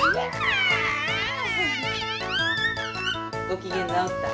ごきげんなおった？